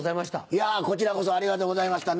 いやこちらこそありがとうございました。